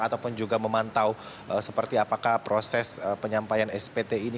ataupun juga memantau seperti apakah proses penyampaian spt ini